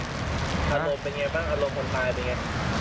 อารมณ์เป็นไงบ้างอารมณ์คนตายเป็นไง